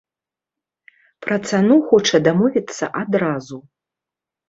Пра цану хоча дамовіцца адразу.